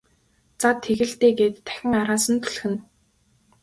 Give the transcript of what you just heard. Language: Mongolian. За тэг л дээ гээд дахин араас нь түлхэнэ.